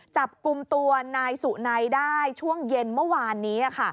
จับกลุ่มตัวนายสุนัยได้ช่วงเย็นเมื่อวานนี้